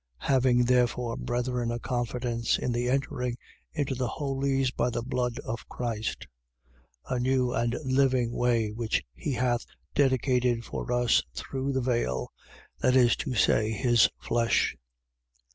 Having therefore, brethren, a confidence in the entering into the holies by the blood of Christ: 10:20. A new and living way which he hath dedicated for us through the veil, that is to say, his flesh: 10:21.